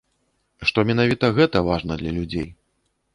Што менавіта гэта важна для людзей.